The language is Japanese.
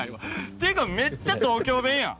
っていうかめっちゃ東京弁やん。